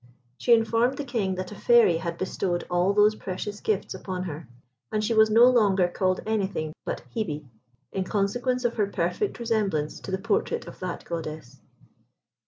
She informed the King that a Fairy had bestowed all those precious gifts upon her; and she was no longer called anything but Hebe, in consequence of her perfect resemblance to the portrait of that Goddess.